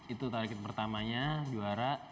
itu target pertamanya juara